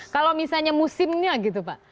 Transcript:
kalau misalnya musimnya gitu pak